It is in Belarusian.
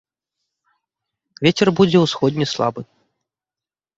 Вецер будзе ўсходні слабы.